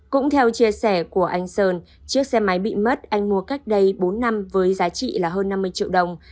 cũng theo chia sẻ của anh sơn chiếc xe máy bị mất anh mua cách đây bốn năm với giá trị là hơn năm mươi triệu đồng